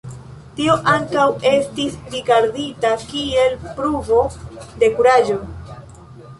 Tio ankaŭ estis rigardita kiel pruvo de kuraĝo.